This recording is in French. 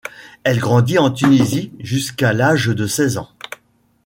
Elle grandit en Tunisie jusqu’à l'âge de seize ans.